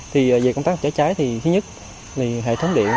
thì về công tác chữa cháy thì thứ nhất là hệ thống điện